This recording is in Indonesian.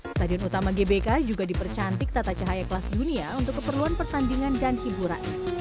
stadion utama gbk juga dipercantik tata cahaya kelas dunia untuk keperluan pertandingan dan hiburan